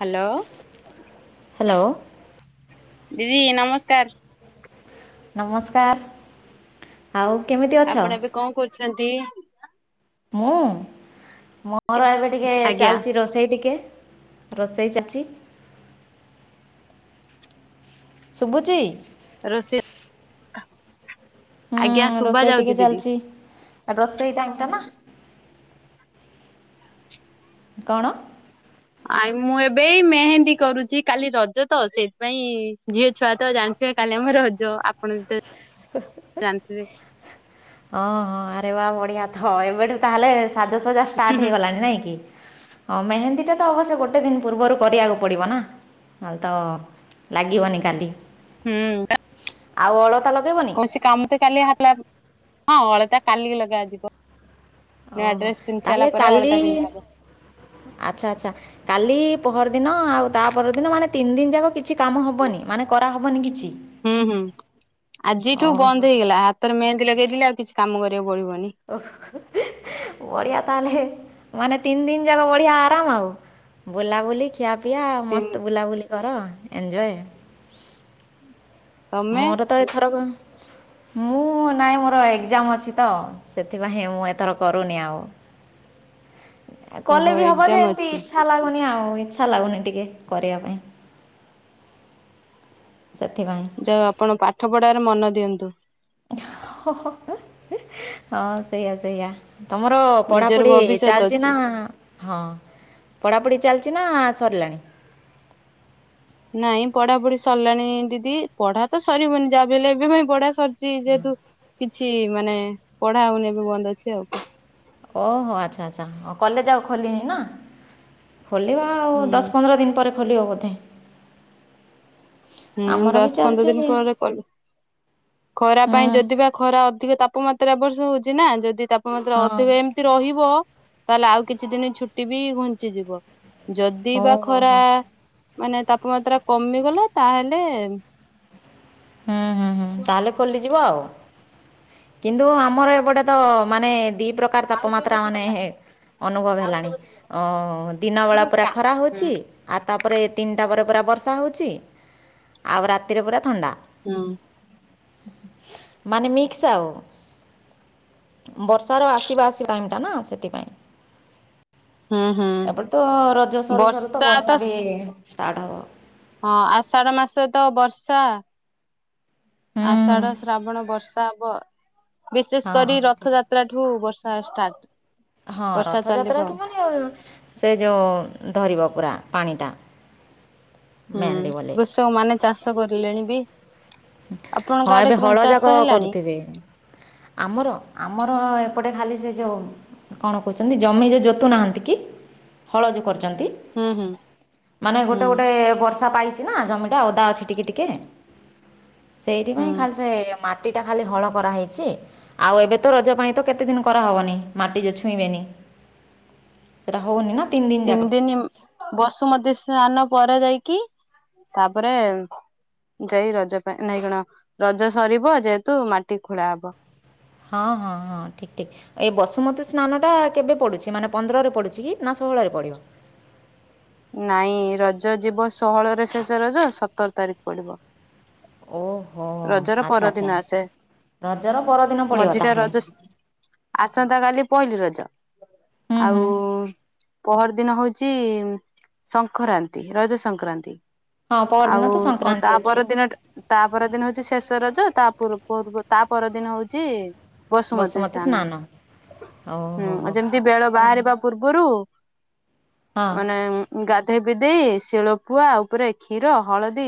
Hello. Hello ଦି ଦି ନମସ୍କାର। ନମସ୍କାର। ଆଉ କେମିତି ଅଛ? ଆପଣ ଏବେ କଣ କରୁଛନ୍ତି? ମୁଁ ମୋର ଏବେ ଟିକେ ଆଜ୍ଞା ଚାଲିଛି ରୋଷେଇ ଟିକେ। ରୋଷେଇ ଚାଲିଛି। ଶୁଭୁଚି? ରୋଷେଇ। ହୁଁ। ଆଜ୍ଞା ଶୁଭା ରୋଷେଇ ଯାଉଛି ଟିକେ ଦିଦି। ଚାଲିଛି। ଆ ରୋଷେଇ ଟାଇମ ଟା ନା। କଣ? ଆ ମୁଁ ଏବେ ମେହେନ୍ଦୀ କରୁଛି। କାଲି ରଜ ତ ସେଇଥିପାଇଁ ଝିଅ ଛୁଆ ତ ଜାଣିଥିବ। କାଲି ଆମ ରଜ ଆପଣ ତ ଜାଣିଥିବେ। ଓ ହୋ ଆରେ ବା ବଢିଆ ତ। ଏବେଠୁ ତାହେଲେ ସାଜସଜା ହୁଁ ଷ୍ଟାର୍ଟ ହୁଁ। ହେଇଗଲାଣି ନାଇଁ କି। ହଁ। ମେହେନ୍ଦୀ ଟା ତ ଅବଶ୍ୟ ଗୋଟେ ଦିନ ପୂର୍ବରୁ କରିବାକୁ ପଡିବ ନା। ନହେଲେ ତ ଲାଗିବନି କାଲି। ହୁଁ। ଆଉ ଅଳତା ଲ। କୌଣସି କାମ ତ କାଲି ହଲା ଅଳତା କାଲି ଲଗା ଯିବ। ଓହୋ ତାହେଲେ କାଲି ପିନ୍ଧା ହବ। ଆଚ୍ଛା ଆଚ୍ଛା କାଲି। ପହର ଦିନ ଆଉ ତା ପର ଦିନ ମାନେ ତିନି ଦିନ ଯାକ କିଛି କାମ ହବନି। ମାନେ କରାହବନି କିଛି। ହୁଁ-ହୁଁ । ଆଜିଠୁ ଓହୋ ବନ୍ଦ ହେଇଗଲା। ହାତରେ ମେହେନ୍ଦୀ ଲଗେଇଦିଲେ ଆଉ କିଛି କାମ କରିବାକୁ ପଡିବନି। ଓ ବଢ଼ିଆ ତାହେଲେ। ମାନେ ତିନି ଦିନ ଯାକ ବଢିଆ ଆରାମ ଆଉ। ବୁଲାବୁଲି। ଖିଆ ପିଆ ମସ୍ତ ବୁଲାବୁଲି କର ଏଞ୍ଜୟ। ତମେ ମୋର ତ ଏଥର କ। ମୁଁ ନାଇଁ ମୋର ଏକ୍ଜାମ ଅଛି ତ । ସେଥିପାଇଁ ମୁଁ ଏଥର କରୁନି ଆଉ। [inaudible] ଓହୋ କଲେ ବି ହବ ଏକ୍ଜାମ ଯେ ଏମିତି ଅଛି ଇଚ୍ଛା ଲାଗୁନି ଆଉ। ଇଛାି ଲାଗୁନି ଟିକେ କରିବା ପାଇଁ । ଯାଅ ଆପଣ ପାଠ ପଢାରେ ମନ ଦିଅନ୍ତୁ। ହଁ ହଁ ସେଆା ସେଆ। ତମର ନିଜର ପଢାପଢି ଭବିଷ୍ୟତ ଚାଲିଛି ଅଛି। ନା? ହଁ । ପଢାପଢି ଚାଲିଛି। ଚିନା ସରିଲାଣି? ପଢା ପଢି ସରିଲାଣି ଦିଦି। ପଢା ତ ସରିବନି ଯାହା ବି ହେଲେ ଏବେ ପାଇଁ ପଢା ସରିଛି ଯେହେତୁ କି। କିଛି ମାନେ ପଢା ହଉନି ଏ ବି ବନ୍ଦ ଅଛି ଆଉ। ଓହୋ ଆଚ୍ଛା ଆଚ୍ଛା କଲେଜ ଆଉ ଖୋଲିନି ନା । ଖୋଲିବା ଆଉ ହୁଁ ଦଶ ପନ୍ଦର ଦିନ ପରେ ଖୋଲିବ ବୋଧେ । ହୁଁ ଦଶ ପନ୍ଦର ଦିନ ପରେ କଲ୍ ଖରା ପାଇଁ ହଁ ଯଦିିବା ଖରା ଟିକେ ତାପମାତ୍ରା ଏବ ବର୍ଷ ହଉଛି ନା ଯଦି ତାପମାତ୍ରା ଅଧିକ ଏମିତି ରହିବ । ତାହେଲେ ଆଉ କିଛିଦିନ୍ ଛୁଟି ବି ଘୁଞ୍ଚିଯିବ । ଯଦି ବା ଓହୋ ହୋ ଖରା ହୁଁ ମାନେ ତାପମାତ୍ରା କମିଗଲା ତାଲେ । ହୁଁ ହୁଁ ହୁଁ ତାହେଲେ ଖୋଲିଯିବ ଆଉ । କିନ୍ତୁ ଆମର ଏପଟେ ତ ମାନେ ଦି ପ୍ରକାର ହୁଁ ତାପମାତ୍ରା ମାନେ ଅନୁଭବ ହେଲାଣି ଅ ଦିନ ବେଳା ହୁଁ ପରା ଖରା ହଉଚି, ଆଉ ତାପରେ ତିନିଟା ପରେ ପୁରା ବର୍ଷା ହଉଚି ଆଉ ରାତିରେ ପୁରା ଥଣ୍ଡା । ହୁଁ। ମାନେ ମିକ୍ସ ଆଉ । ବର୍ଷାର ଆସିବା ଆସି ଟାଇମଟା ନା ସେଥିପାଇଁ । ହୁଁ ହୁଁ ଏପଟେ ତ ରଜ ସରୁ ସରୁ ତ ବର୍ଷା ବି ଷ୍ଟାର୍ଟ ହବ । ହଁ ଆଷାଢ ମାସ ତ ବର୍ଷା । ହୁଁ ଆଷାଢ ଶ୍ରାବଣ ବର୍ଷା ହବ । ବିଶେଷ ହଁ କରି ଠିକ୍ ରଥଯାତ୍ରାଠୁ ବର୍ଷା ଷ୍ଟାର୍ଟ । ହଁ ରଥଯାତ୍ରାଠୁ ମାନେ ଅ ସେ ଯୋଉ ଧରିବ ପରା ପାଣିଟା । ହୁଁ କୃଷକ ମାନେ ଚାଷ କରିଲେଣି ବି । ହଁ ଏବେ ହଳଯାକ ହେଲାଣି କରୁଥିବେ ଆମର ଆମର ଏ ପଟ ଖାଲି ସେଯୋଉ କଣ କଛନ୍ତି ଜମି ଯୋଉ ଯୋତୁ ନାହାନ୍ତିକି ହଳ ଯୋ କରୁର୍ଚନ୍ତି ହୁଁ ହୁଁ ମାନେ ହୁଁ ଗୋଟେ ଓଟେଏ ବର୍ଷା ପାଇଁ ଛି ନା ଜମିଟା ଅଦା ଅଛି ଟିକେ ଟିକେ । ସେଇଥିପାଇଁ ହୁଁ ଖାନସେ ମା ଟି ଟା ଖାଲି ହଳ କରାହେଇଚି ଆଉ ଏବେ ତ ରଜ ପାଇଁ ତ କେତେ ଦିନ କରାହବନି ମାଟି ଯୋ ଛୁଇଁବେନି । [inaudible] ସେଇଟା ହଉନି ନା? ତିନ୍ ଦିନ ବସୁମତି ସ୍ନାନ ପରେ ଯାଇକି ତାପରେ ଯାଇ ରଜ ପାଇଁ ନାଇଁ କଣ ରଜ ସରିବ ଯେହେତୁ ମାଟି ଖୋଳା ହବ । ହଁ ହଁ ହଁ ଠିକ ଠିକ ଏ ବସୁମତୀ ସ୍ନାନ ଟା କେବେ ପଡୁଚି ମାନେ ପନ୍ଦରରେ ପଡୁଛି କି ନା ଶ ହୋଳ ରେ ପଡ଼ିବ? [inaudible] ନାଇଁ ରଜ ଯିବ ଷୋହଳରେ ଶେଷ ରଜ ସତର ତାରିଖ ପଡିବ । ଓ ହ ଆଚ୍ଛା ଆଚ୍ଛା ଆସେ ରଜର ପରଦିନ ପଡିବ ମଝିଟା ତାହେଲେ ରଜ । ଆସନ୍ତା କାଲି ପହିଲି ରଜ ହୁଁ ଆଉ ହୁଁ । ପହର ଦିନ ହଉଚି ସଂଖରାନ୍ତି ରଜ ସଂକ୍ରାନ୍ତି । ହଁ ପରଦିନ ତ ଆଉ ସଂକ୍ରାନ୍ତି ତା ଅଛି ପରଦିନ ତା ପରଦିନ ଶେଷ ରଜ ତା ପୂର୍ ପୂର୍ ତା ପରଦିନ ହଉଚି ବସୁମତୀ ସ୍ନାନ ଓହୋ ହୋ ହୁଁ ଯେମିତି ବେଳ ହଁ ବାହାରିବା ପୂର୍ବରୁ ମାନେ ଗା ଧେଇ ପାଧେଇ ଶିଳ ପୁଆ ଉପରେ କ୍ଷୀର ହଳଦୀ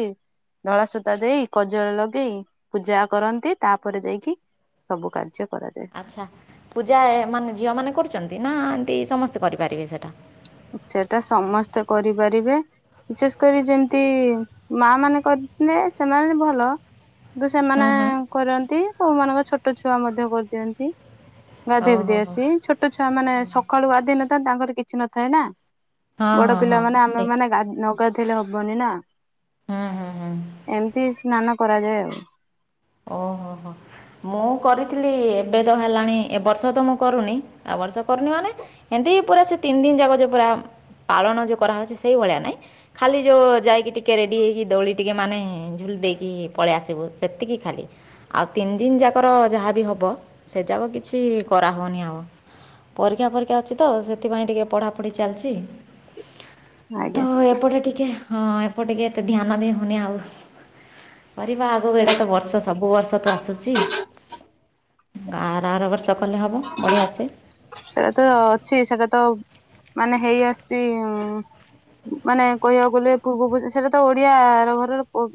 ଧଳା ସୂତା ଦେଇ କଜଳ ଲଗେଇ ପୂଜା କରନ୍ତି ତାପରେ ଯାଇକି ସବୁ କାର୍ଯ୍ୟ । ଆଚ୍ଛା ପୂଜା ଏ ମାନେ ଝିଅ ମାନେ କରୁଚନ୍ତି ନା ଏମିତି ସମସ୍ତେ କରିପାରିବେ ସେଟା? ସେଟା ସମ ସ୍ତେ କରିପାରିବେ ବିଶେଷ କରି ଯେମିତି ମା ମାନେ କଦଲେ ସେମାନେ ଭଲ । ଦୁ ହୁଁ ସେମାନେ ହୁଁ କରନ୍ତି କୋଉମାନାନଙ୍କ ଛୋଟ ଛୁଆ ମଧ୍ୟ କରିଦିଅନ୍ତି । ଗାଧୋଇବଧ ଓହୋ ହୋ ଆସି ଛୋଟ ଛୁଆ ମାନେ ସକାଳୁ ଗାଧୋଇ ନଥାନ୍ତିେ ତାଙ୍କର କିଛି ନଥାଏ ନା। ହଁ ବଡ ହଁ ହଁ ପିଲାମାନେ ଆମେ ଠିକ୍। ମାନେ ନ ଗଧେଇଲେ ହବନି ନା। ହୁଁ ହୁଁ ହୁଁ ଏମିତି ସ୍ନାନ କରାଯାଏ ଆଉ। ଓହୋ ହୋ ମୁଁ ମୁଁ କରିଥିଲି ଏବେ ତ ହେଲାଣି ଏ ବର୍ଷ ତ ମୁଁ କରୁନି ଆଉ ବର୍ଷ କରୁନି ମାନେ ଏମିତି ପୁରା ସେ ତିନି ଦିନ ଜାଗାଉ ଯ ପୁରା ପାଳନ ଯୋଉ କରାହଉଚି, ସେଇ ଭଳିଆ ନାଇଁ ଖାଲି ଯୋଉ ଯାଇକି ଟିକେ ରେଡି ହେଇକି ଦଉଳି ଟିକେ ମାନେ ଝୁ ଲେଇକି ପଳେଇ ଆସିବୁ ସେତିକି ଖଲି ଆଉ ତିନି ଦିନ ଯା କ ଯାହା ବି ହବ ସେ ଯାକ କିଛି କରାହଉନି ଆଉ। ପରୀକ୍ଷା ପରୀକ୍ଷା ଅଛି ତ ସେ ପାଇ ଟିକେ ପଢାପଢି ଚାଲିଛି ତ ଆଜ୍ଞା ଏପଟେ ଟିକେ ହଁ। ଏପଟେ ଟିକେ ଆଉ ଧ୍ୟାନ ଦେଉନି ଆଉ। କରିବା ଆଗକୁ ଏଇଟା ତ ବର୍ଷ ସବୁ ବର୍ଷ ତ ଆସୁଛି। ଆର ଆର ବର୍ଷ କଲେ ହେବ ବଢ଼ିଆ ସେ ସେଇଟା ତ ଅଛି ସେଟା ତ ମାନେ ହେଇ ଆସିଛି। ମାନେ କହିବାକୁ ଗଲେ ପୂର୍ବ ପୂ ସେଇଟା ତ ଓଡିଆ ର ଘରର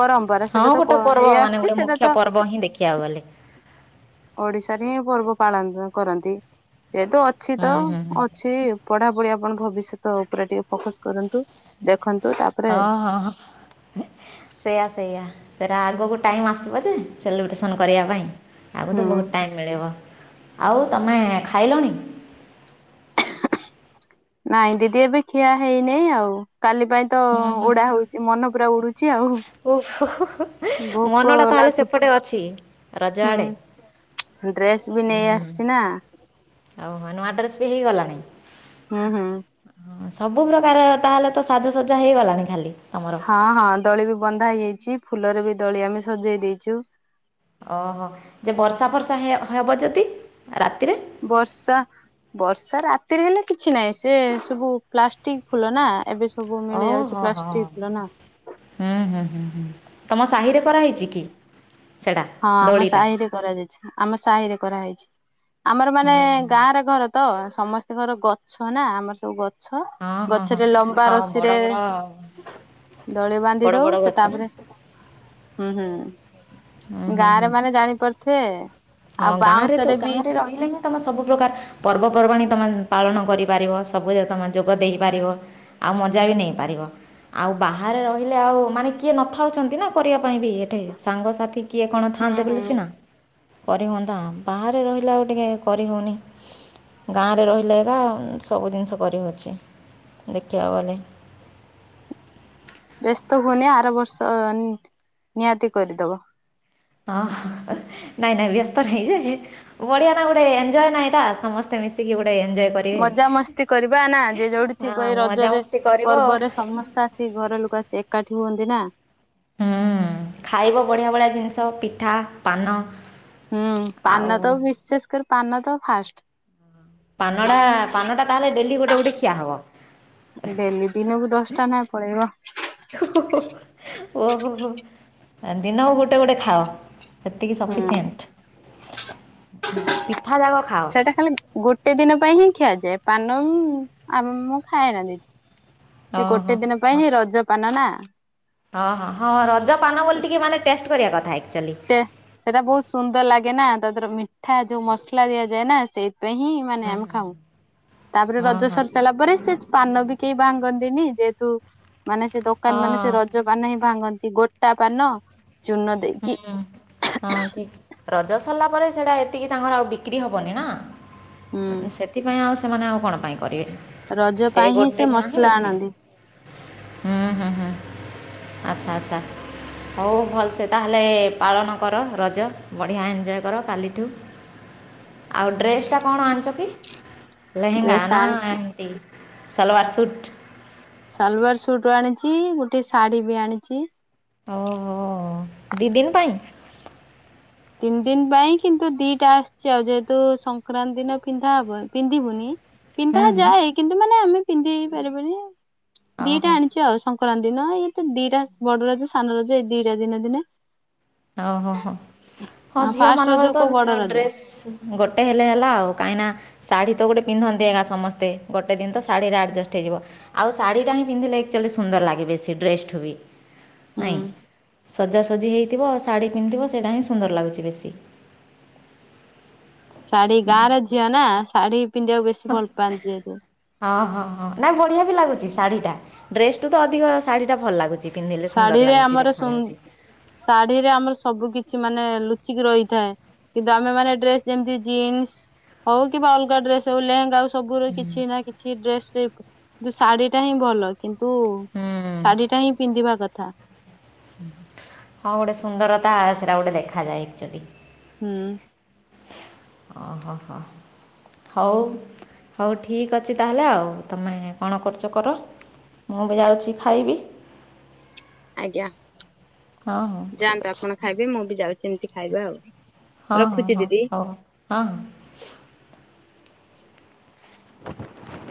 ପରମ୍ପରା ହଁ ସେଇଟା ଗୋଟେ ତ ପର୍ବ ହେଇ ମାନେ ଆସୁଛି ଗୋଟେ ସେଇଟା ମୁଖ୍ୟ ତ ପର୍ବ ହିଁ ଦେଖିବାକୁ ଗଲେ ଓଡିଶାରେ ହିଁ ପର୍ବ ପାଳନ କରନ୍ତି। ଯେହେତୁ ଅଛି ହୁଁ ତ ହୁଁ ହୁଁ ଅଛି ପଢାପଢି ଆପଣ ଭବିଷ୍ୟତ ଉପରେ ଟିକେ ଫୋକସ କରନ୍ତୁ। ଦେଖନ୍ତୁ ତାପରେ ହଁ ହଁ ସେଇୟା ସେଇୟା ସେ ତା ଆଗକୁ ଟାଇମ୍ ଆସିବ ଯେ ସେଲିବ୍ରେସନ୍ କରିବା ପାଇଁ ଆଗ ହୁଁ ତ ବହୁତ ଟାଇମ୍ ମିଳିବ। ଆଉ ତମେ ଖାଇଲଣି? ନାଇଁ ଦିଦି ଏବେ ଖିଆ ହେଇନି ଆଉ। କାଲି ପାଇଁ ତ ହୁଁ ହୁଁ ଉଡା ହଉଛି ମନ ପୁରା ଉଡୁଛି ଆଉ। ଓହୋ ଭୋକ ମନଟା ତାହେଲେ ଲାଗୁ ସେପଟେ ଅଛି ରଜଆଡ଼େ। ଡ୍ରେସ ବି ନେଇ ଆସିଛି ନାଁ। ଓ ହୋ ନୂଆ ଆଡ୍ରେସ ବି ହେଇଗଲାଣି? ହୁଁ ହୁଁ। ହଁ ସବୁ ପ୍ରକାର ତାହେଲେ ତ ସାଜସଜା ହେଇଗଲାଣି ଖାଲି। ତମର। ହଁ ହଁ ଦୋଳି ବି ବନ୍ଧା ହେଇଯାଇଛି ଫୁଲରେ ବି ଦଳି ଆମେ ସଜେଇ ଦେଇଛୁ। ଓହୋ ଯେ ବର୍ଷା ବର୍ଷା ହବ ଯଦି ରାତିରେ ବର୍ଷା ବର୍ଷା ରାତିରେ ହେଲେ କିଛି ନାହିଁ ସେ ସବୁ ପ୍ଲାଷ୍ଟିକ ଫୁଲ ନା ଏବୁ ସବୁ ମିଳିଯାଉଛି ଓହୋ ହୋ ପ୍ଲାଷ୍ଟିକ ନା ତୁମ ସାହିରେ କରାହୋଇଛି କି? ସେଟା ହଁ ଆମ ଦୋଳିଟା ସାହିରେ କରାଯାଇଛି ଆମ ସାହିରେ କରାହେଇଛି। ଆମର ମାନେ ହୁଁ ହୁଁ ଗାଁ ର ଘର ତ ସମସ୍ତଙ୍କର ଗଛ ନା ଆମର ସବୁ ଗଛ ହଁ ଗଛ ହଁ ହଁ ଗଛରେ ଲମ୍ବା ହଁ ରସିରେ ବଡ଼ ବଡ଼ ଦଳି ବାନ୍ଧି ବଡ଼ ଦଉ ବଡ଼ ସେ ଗଛ ନା ତାପରେ ହୁଁ ହୁଁ ହୁଁ ହୁଁ ଗାଁରେ ହୁଁ ମାନେ ଜାଣି ପାରୁଥିବେ। ହଁ ଗାଁ ରେ ତ ଗାଁ ରେ ରହିଲେ ହିଁ ତମେ ସବୁ ପ୍ରକାର ପର୍ବପର୍ବାଣିୀ ତମ ପାଳନ କରିପାରିବ ସବୁ ତମେ ଯୋଗ ଦେଇପାରିବ ଆଉ ମଜା ବି ନେଇପାରିବ। ଆଉ ବାହାରେ ରହିଲେ ଆଉ ମାନେ କିଏ ନଥାଉଛନ୍ତି ନା କରିବା ପାଇଁ ବି ଏଠି ସାଙ୍ଗସାଥି କିଏ କଣ ହୁଁ ଥାଆନ୍ତେ ହୁଁ ବୋଲି ସିନା କରି ହୁଅନ୍ତା ବାହାରେ ରହିଲା ଆଉ ଟିକେ କରିହଉନି। ଗାଁରେ ରହିଲେ ଏ ସବୁ ଜିନିଷ କରିହଉଛି ଦେଖିବାକୁ ଗଲେ। [inaudible] ବ୍ୟସ୍ତ ହୁନି ଆର ବର୍ଷ ନିହାତି କରିଦବ ହଁ ନାଇଁ ନାଇଁ ବ୍ୟସ୍ତ ନଯ ବଢିଆ ନା ଗୋଟେ ଏଜୟ ନା ଏଇଟା ସମସ୍ତେ ମିଶିକି ଗୋଟେ ଏନ୍ଜୟ କରିବେ ମଜା ମସ୍ତି କରିବା ନା ଯ ଯୋଉଠି ଥିବ ହଁ ଏଇ ରଜରେ ମଜାମସ୍ତି କରିବ ପର୍ବରେ ସମସ୍ତେ ଆସିିକି ଘର ଲ ଏକାଠି ହୁଅନ୍ତି ନାଁ। ହୁଁ ଖାଇବ ବଢିଆ ଭଳିିଆ ଜିନିଷ ପିଠା ପାନ ହୁଁ ଆଉ ପାନ ତ ବିଶେଷ କରି ପନ ତ ଫାଷ୍ଟ । ପାନ ଟା ପାନ ଟା ତାହେଲେ ଡେଲି ଗୋଟେ ଗୋଟେ ଖିଆ ହବ । ଡେଲି ଦିନକୁ ଦଶଟା ନାଇ ପଳେଇବ । ଓ ଓହୋହୋ ଦିନ ଗୋଟେ ଗୋଟେ ଖାଅ ସେତିକି ହୁଁ। ସଫିସିଏଣ୍ଟ । ପିକ [inaudible] ସେଇଟା ଖାଲି ଗୋଟେ ଗୋଟେ ଦିନ ପାଇଁ ହିଁ ଖିଆଯାଏ ପାନ ଆମ ମୁଁ ଖାଏନା ଦିଦି ସେ ଓହୋ ଗୋଟେ ଦିନ ପାଇଁ ସେ ରଜ ପାନ ନା । ଓ ହଁ। ହଁ ରଜ ପାନ ବୋଲି ଟିକେ ମାନେ ଟେଷ୍ଟ କରିବା କଥା ହେ ଟେ ସେଟା ବହୁତ ସୁନ୍ଦର ଲାଗେ ନା। ତା ଦେହରେ ମିଠା ଯୋଉ ମସଲା ଦିଆଯାଏ ନା, ସେଇଥିପାଇଁ ହିଁ ମାନେ ହୁଁ ଆମେ ଖାଉ। ତାପରେ ହଁ ରଜ ହଁ ସରି ଠିକ୍ ସାରିଲା ପରେ ସେ ପାନ ବି କେହି ଭାଙ୍ଗନ୍ତିନି ଯେହେତୁ ମାନେ ସେ ଦୋକାନ ମାନେ ସେ ହଁ ରଜ ପାନ ହିଁ ଭାଙ୍ଗନ୍ତି। ଗୋଟା ପାନ ଚୁନ ଦେଇକି ହୁଁ ହଁ ଠିକ। ରଜ ସରିଲା ପରେ ସେଟା ଏତିକି ତାଙ୍କର ଆଉ ବିକ୍ରି ହବନି ନା ହୁଁ ସେଥିପାଇଁ ଆଉ ସେମାନେ ଆଉ କଣ ପାଇଁ କରିବେ। ରଜ ସେ ପାଇଁ ହିଁ ଗୋଟେ ଦିନ ହିଁ ମସଲା ବେଶୀ ଆଣନ୍ତି ହୁଁ ହୁଁ ହୁଁ। ଆଚ୍ଛା ଆଚ୍ଛା। ହଉ ଭଲସେ ତାହେଲେ ପାଳନ କର ରଜ ବଢ଼ିଆ ଏଞ୍ଜୟ କର କାଲିଠୁ ଆଉ ଡ୍ରେସ୍ ଟା କଣ ଆଣିଚ କି? ଲେହେଙ୍ଗା ଡ୍ରେସ ନା ଆଣିଛି ଏମତି ସଲବାର ସୁଟ୍? ସାଲୱାର୍ ସୁଟ ଆଣିଚି ଗୋଟେ ଶାଢୀ ବି ଆଣିଛି। ଓହୋ। ଦି ଦିନ ପାଇଁ? ତିନି ଦିନ ପାଇଁ କିନ୍ତୁ ଦିଟା ଆସିଛି ଆଉ ଯେହେତୁ ସଂକ୍ରାନ୍ତି ଦିନ ପିନ୍ଧାହବ ପିନ୍ଧିବୁନି ପିନ୍ଧା ହୁଁ ହୁଁ ଯାଏ କିନ୍ତୁ ମାନେ ଆମେ ପିନ୍ଧି ହେଇପାରିବୁନି ଓହୋ ଦିଟା ଆଣିଛୁ ଆଉ ସଂ କରାନ୍ତି ଦିନ ଇଏ ତ ଦିଟା ବଡ ରଜ ସାନ ରଜ ଏଇ ଦିଟା ଦିନ ଦିନେ ଓ ହୋ ହୋ। ହ ହଁ ଝିଅ ମାନଙ୍କର ତ ଡ୍ରେସ୍ ଗୋଟେ ହେଲେ ହେଲା ଆଉ କାଇଁନା ଶାଢ଼ୀ ତ ଗୋଟେ ପିନ୍ଧନ୍ତି ଏଇକା ସମସ୍ତେ। ଗୋଟେ ଦିନ ତ ଶାଢ଼ୀରେ ଆଡ଼ଜଷ୍ଟ ହେଇଯିବ ଆଉ ଶାଢ଼ୀ ଟା ହିଁ ପିନ୍ଧିଲେ ଆକ୍ଚୁଆଲି ସୁନ୍ଦର ଲାଗେ ବେଶୀ ଡ୍ରେସ ଠୁ ବି। ହୁଁ। ନାଇଁ ସଜାସଜି ହେଇଥିବ ଶାଢ଼ୀ ପିନ୍ଧିଥିବ ସେଇଟା ହିଁ ସୁନ୍ଦର ଲାଗୁଛି ବେଶୀ। ଶାଢୀ ଗାଁର ଝିଅ ନା ଶାଢୀ ପିନ୍ଧିବାକୁ ବେଶୀ ଭଲ ପାଆନ୍ତି ଯେହେତୁ ହଁ ହଁ ହଁ ନାଇଁ ବଢିଆ ବି ଲାଗୁଛି ଶାଢୀ ଟା। ଡ୍ରେସ ଠୁ ତ ଅଧିକ ଶାଢୀ ଟା ଭଲ ଲାଗୁଚି। ଶାଢୀରେ ଆମର ସୁନ୍ ଶାଢୀ ରେ ଆମର ସବୁ କିଛି କିଛି ମାନେ ଲୁଚିକି ରହିଥାଏ କିନ୍ତୁ ଆମେ ମାନେ ଡ୍ରେସ ଯେମିତି ଜିନ୍ସ ହଉ କିମ୍ବା ଅଲଗା ଡ୍ରେସ ହଉ ଲେହେଙ୍ଗା ହଉ ସବୁ ର କିଛି ନା କିଛି ଡ୍ରେସ୍ ସେ ଶାଢୀ ଟା ହିଁ ଭଲ କିନ୍ତୁ ହୁଁ ଶାଢୀ ଟା ହିଁ ପିନ୍ଧିବା କଥା। ହଁ ଗୋଟେ ସୁନ୍ଦରତା ସେଇଟା ଗୋଟେ ଦେଖାଯାଏ ଆକ୍ଚୁଆଲି। ହୁଁ। ଓହୋ ହୋ। ହଉ ହଉ ଠିକ୍ ଅଛି ତାହେଲେ ଆଉ, ତମେ କଣ କରୁଛ କର ମୁଁ ବି ଯାଉଛି ଖାଇବି ଆଜ୍ଞା ହଁ ହଁ ଠିକ୍ ଯାଆନ୍ତୁ ଅଛି ଆପଣ ଖାଇବେ ମୁଁ ବି ଯାଉଛି ଏମତି ଖାଇବି ଆଉ। ହଁ ହଁ ରଖୁଛି ହଁ ଦିଦି। ହଉ ହଁ ହଁ। [inaudible] [inaudible]